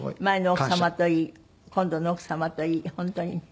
前の奥様といい今度の奥様といい本当に。